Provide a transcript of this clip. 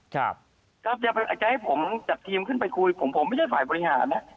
ครับจะให้ผมจัดทีมขึ้นไปคุยผมผมไม่ใช่ฝ่ายบริหารนะ